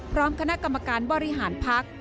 พร้อมคณะกรรมการบริหารพัก